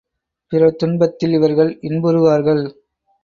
பிறர் துன்பத்தில் இவர்கள் இன்புறுவார்கள்.